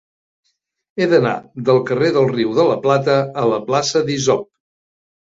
He d'anar del carrer del Riu de la Plata a la plaça d'Isop.